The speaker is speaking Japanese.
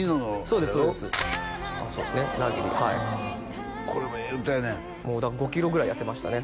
そうですそうですそうですね「ラーゲリ」はいこれもええ歌やねん５キロぐらい痩せましたね